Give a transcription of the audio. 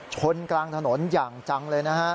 ชนกลางถนนอย่างจังเลยนะฮะ